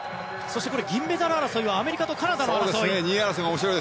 銀メダルはアメリカとカナダの争い。